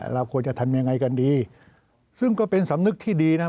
เราควรจะทำยังไงกันดีซึ่งก็เป็นสำนึกที่ดีนะ